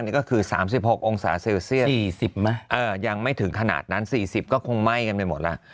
นี่ก็คือ๓๖องศาเซลเซียสยังไม่ถึงขนาดนั้น๔๐ก็คงไหม้กันไปหมดแล้ว